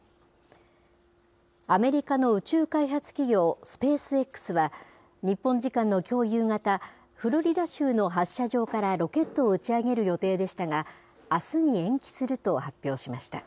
アメリカの宇宙開発企業、スペースＸは日本時間のきょう夕方、フロリダ州の発射場からロケットを打ち上げる予定でしたが、あすに延期すると発表しました。